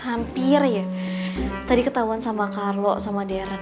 hampir ya tadi ketauan sama karlo sama deren